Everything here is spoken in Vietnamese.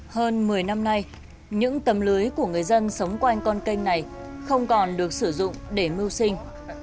hơn một mươi năm nay những tấm lưới của người dân sống quanh con kênh này không còn được sử dụng để mưu sinh